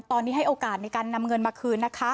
ตอนนี้ให้โอกาสในการนำเงินมาคืนนะคะ